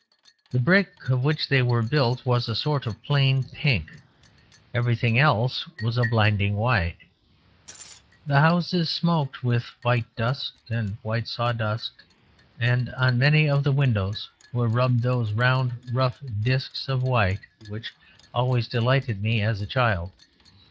The brick of which they were built was a sort of plain pink; everything else was a blinding white; the houses smoked with white dust and white sawdust; and on many of the windows were rubbed those round rough disks of white which always delighted me as a child.